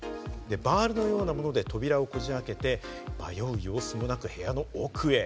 バールのようなもので扉をこじあけて迷う様子もなく部屋の奥へ。